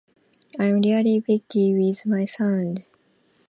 I'm really picky with my sound.